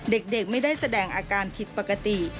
เด็กไม่ได้แสดงอาการผิดปกติ